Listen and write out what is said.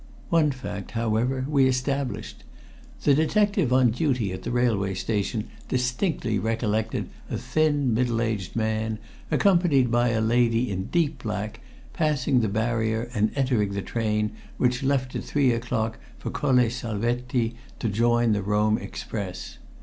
One fact, however, we established. The detective on duty at the railway station distinctly recollected a thin middle aged man, accompanied by a lady in deep black, passing the barrier and entering the train which left at three o'clock for Colle Salvetti to join the Rome express.